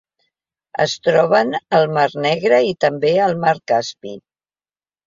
Es troben al Mar Negre i també al Mar Caspi.